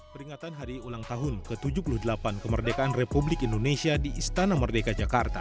peringatan hari ulang tahun ke tujuh puluh delapan kemerdekaan republik indonesia di istana merdeka jakarta